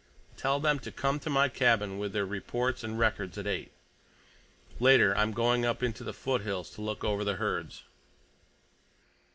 Tell them to come to my cabin with their reports and records at eight. Later I'm going up into the foothills to look over the herds."